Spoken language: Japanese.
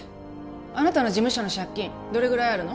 あなたの事務所の借金どれぐらいあるの？